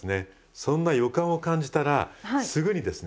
そんな予感を感じたらすぐにですね